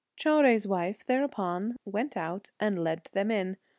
Chou Jui's wife thereupon went out and led them in.